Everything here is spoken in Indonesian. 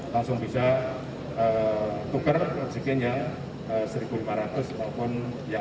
langsung bisa tukar oksigen yang satu lima ratus ataupun yang enam